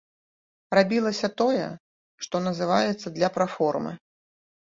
Рабілася тое, што называецца, для праформы.